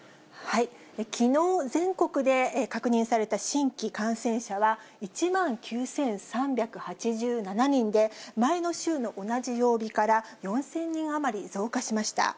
きのう、全国で確認された新規感染者は、１万９３８７人で、前の週の同じ曜日から４０００人余り増加しました。